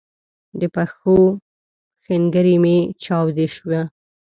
د پښو ښنګري می چاودی شوي